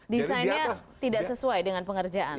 desainnya tidak sesuai dengan pengerjaan